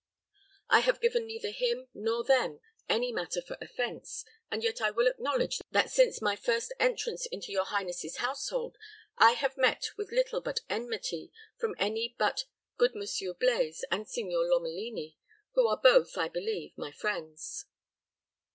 I have given neither him nor them any matter for offense, and yet I will acknowledge that since my first entrance into your highness's household, I have met with little but enmity from any but good Monsieur Blaize and Signor Lomelini, who are both, I believe, my friends."